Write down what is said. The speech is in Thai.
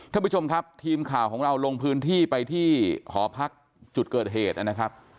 ท่านผู้ชมครับทีมข่าวของเราลงพื้นที่ไปที่หอพักจุดเกิดเหตุนะครับ